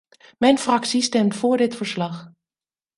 Mijn fractie stemt voor dit verslag.